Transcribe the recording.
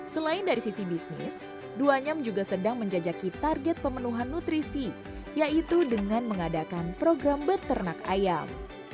selain dari sisi bisnis duanyam juga sedang menjajaki target pemenuhan nutrisi yaitu dengan mengadakan program beternak ayam